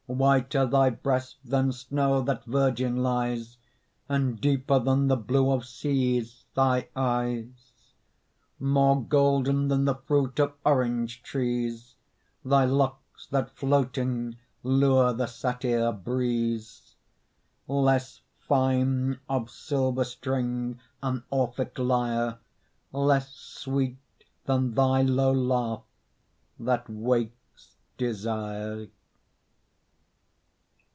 Whiter thy breast than snow That virgin lies, And deeper than the blue Of seas thy eyes. More golden than the fruit Of orange trees, Thy locks that floating lure The satyr breeze. Less fine of silver string An Orphic lyre, Less sweet than thy low laugh That wakes desire.